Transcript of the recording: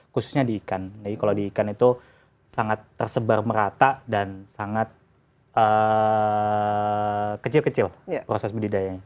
khususnya di ikan jadi kalau di ikan itu sangat tersebar merata dan sangat kecil kecil proses budidayanya